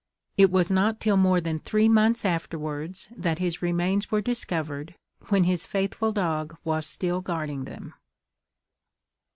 It was not till more than three months afterwards that his remains were discovered, when his faithful dog was still guarding them.